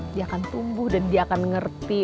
dia akan tumbuh dan dia akan ngerti